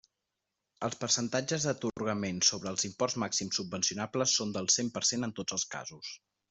Els percentatges d'atorgament sobre els imports màxims subvencionables són del cent per cent en tots els casos.